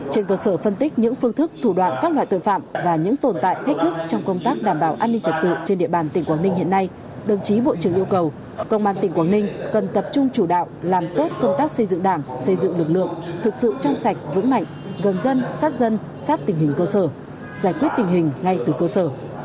trên cơ sở phân tích những phương thức thủ đoạn các loại tội phạm và những tồn tại thách thức trong công tác đảm bảo an ninh trật tự trên địa bàn tỉnh quảng ninh hiện nay đồng chí bộ trưởng yêu cầu công an tỉnh quảng ninh cần tập trung chủ đạo làm tốt công tác xây dựng đảng xây dựng lực lượng thực sự trong sạch vững mạnh gần dân sát dân sát tình hình cơ sở giải quyết tình hình ngay từ cơ sở